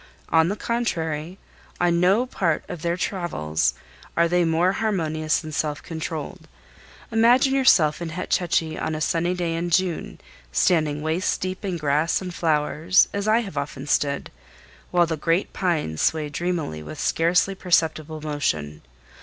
On the contrary, on no part of their travels are they more harmonious and self controlled. Imagine yourself in Hetch Hetchy on a sunny day in June, standing waist deep in grass and flowers (as I have often stood), while the great pines sway dreamily with scarcely perceptible motion.